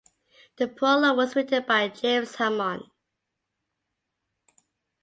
The prologue was written by James Hammond.